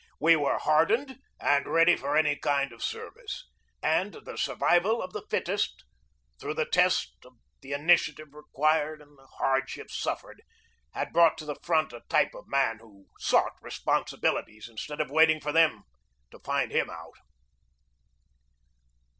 We were hardened and ready for any kind of ser vice; and the survival of the fittest, through the test of the initiative required and the hardships suf fered, had brought to the front a type of man who sought responsibilities instead of waiting for them to find him out.